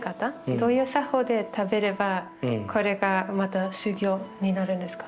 どういう作法で食べればこれがまた修行になるんですか？